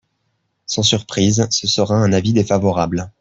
Sans surprise, ce sera un avis défavorable.